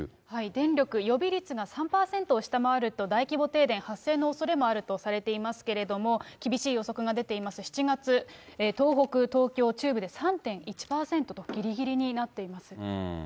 電力予備率が３％を下回ると、大規模停電発生のおそれもあるとされていますけれども、厳しい予測が出ています、７月、東北、東京、中部で３．１％とぎりぎりになっています。